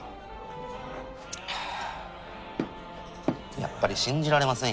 やっぱり信じられませんよ。